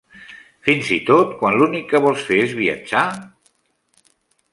Fins i tot quan l'únic que vols fer és viatjar?